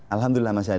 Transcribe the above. alhamdulillah masih ada